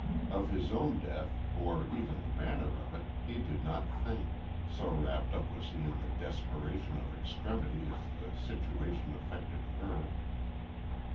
Of his own death, or even the manner of it, he did not think so wrapped up was he in the desperation of extremity as the situation affected her.